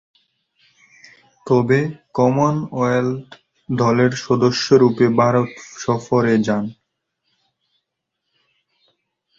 তবে, কমনওয়েলথ দলের সদস্যরূপে ভারত সফরে যান।